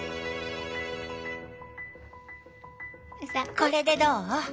これでどう？